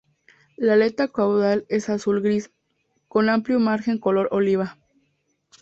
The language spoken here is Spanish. La aleta caudal es azul gris, con amplio margen color oliva.